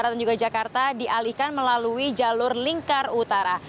yang menuju ke jawa barat dan juga jakarta dialihkan melalui jalur lingkar utara